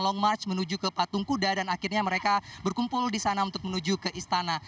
long march menuju ke patung kuda dan akhirnya mereka berkumpul di sana untuk menuju ke istana